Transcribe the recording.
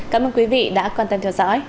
cảm ơn quý vị đã quan tâm theo dõi